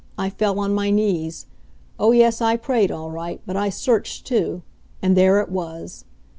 I fell on my knees. Oh, yes, I prayed all right, but I searched, too. And there it was.